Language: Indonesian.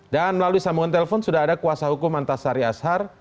melalui sambungan telepon sudah ada kuasa hukum antasari ashar